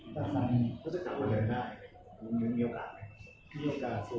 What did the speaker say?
ถ้าสำนักนี้ก็จะทำเอาละดีได้มีโอกาสเลย